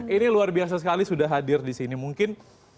ini luar biasa sekali sudah hadir disini mungkin